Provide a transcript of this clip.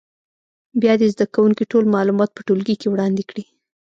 بیا دې زده کوونکي ټول معلومات په ټولګي کې وړاندې کړي.